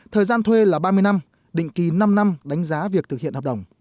thời gian thuê là ba mươi năm định kỳ năm năm đánh giá việc thực hiện hợp đồng